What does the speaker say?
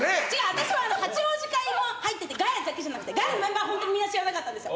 私は八王子の会入ってて、ガヤだけじゃなくて、ガヤのメンバーは本当にみんな知らなかったんですよ。